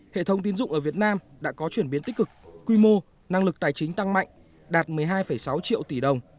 hệ thống tiến dụng ở việt nam đã có chuyển biến tích cực quy mô năng lực tài chính tăng mạnh đạt một mươi hai sáu triệu tỷ đồng